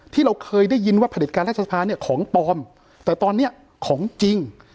ที่เราเคยได้ยินว่าผลิตการรัฐสภาเนี่ยของปลอมแต่ตอนนี้ของจริง